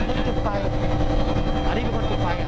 กินผลไม้กินแบบรุมฟัย